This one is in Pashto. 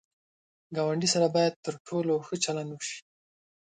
ګاونډي سره باید تر ټولو ښه چلند وشي